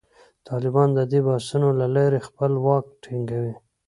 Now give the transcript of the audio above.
طالبان د دې بحثونو له لارې خپل واک ټینګوي.